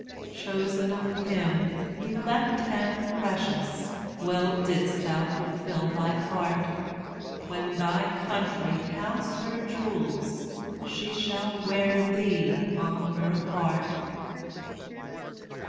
Chosen of Him, "elect and precious," Well didst thou fulfil thy part; When thy country "counts her jewels," She shall wear thee on her heart.